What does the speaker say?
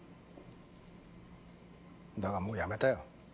だがもうやめたよ。